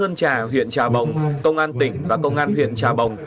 công an trà huyện trà bồng công an tỉnh và công an huyện trà bồng